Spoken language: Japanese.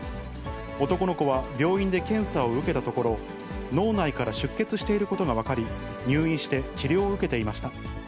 男の子は病院で検査を受けたところ、脳内から出血していることが分かり、入院して治療を受けていました。